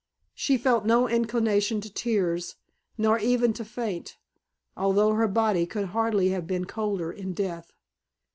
She felt no inclination to tears, nor even to faint, although her body could hardly have been colder in death.